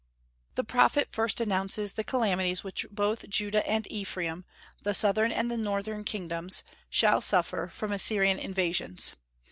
The prophet first announces the calamities which both Judah and Ephraim the southern and the northern kingdoms shall suffer from Assyrian invasions.